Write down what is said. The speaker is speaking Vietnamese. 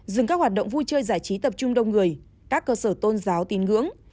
dừng các hoạt động vui chơi giải trí tập trung đông người các cơ sở tôn giáo tin ngưỡng